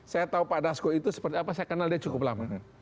saya tahu pak dasko itu seperti apa saya kenal dia cukup lama